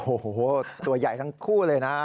โอ้โหตัวใหญ่ทั้งคู่เลยนะฮะ